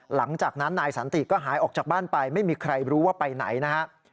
หลังจากนั้นนายสันติก็หายออกจากบ้านไปไม่มีใครรู้ว่าไปไหนนะครับ